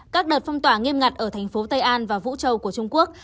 các đợt phong tỏa nghiêm ngặt ở thành phố tây an và vũ châu của trung quốc